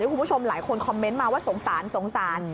คุณผู้ชมหลายคนคอมเมนต์มาว่าสงสารสงสาร